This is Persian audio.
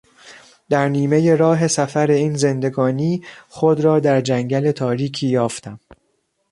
در نیمهی راه سفر این زندگانی خود را در جنگل تاریکی یافتم.